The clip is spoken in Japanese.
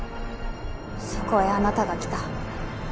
そこへあなたが来た